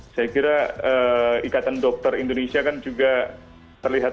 saya kira ikatan dokter indonesia kan juga terlihat